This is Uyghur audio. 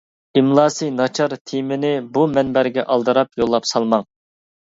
ئىملاسى ناچار تېمىنى بۇ مۇنبەرگە ئالدىراپ يوللاپ سالماڭ!